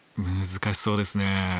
難しそうですねぇ。